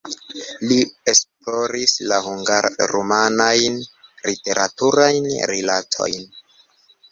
Li esploris la hungar-rumanajn literaturajn rilatojn.